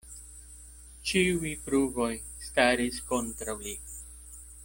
Ĉiuj pruvoj staris kontraŭ li.